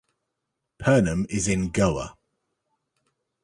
Pernem is in Goa.